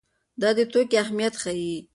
دا د توکي اهميت ښيي.